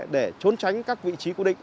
để trốn tránh các vị trí cố định